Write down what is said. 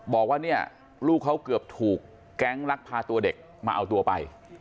บอกว่าเนี่ยลูกเขาเกือบถูกแก๊งลักพาตัวเด็กมาเอาตัวไป